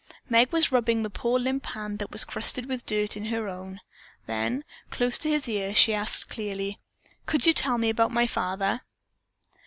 Meg was rubbing the poor limp hand that was crusted with dirt in her own. Then, close to his ear, she asked clearly: "Could you tell me about my father?"